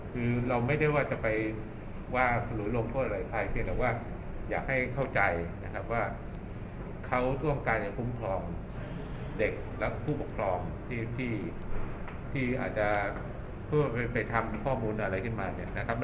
คือเราไม่ได้ว่าจะไปว่าหรือลงโทษอะไรใครเพียงแต่ว่าอยากให้เข้าใจนะครับว่าเขาร่วมกันคุ้มครองเด็กและผู้ปกครองที่อาจจะเพื่อไปทำข้อมูลอะไรขึ้นมาเนี่ยนะครับ